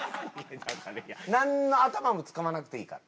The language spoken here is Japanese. なんの頭も使わなくていいから。